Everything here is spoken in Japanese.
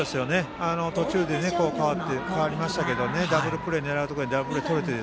途中で代わりましたけどダブルプレーを狙うところでダブルプレーをとれて。